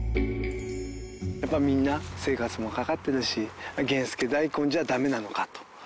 やっぱみんな生活もかかっているし源助だいこんじゃダメなのかと。